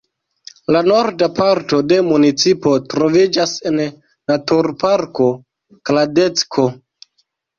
La norda parto de municipo troviĝas en naturparko Kladecko.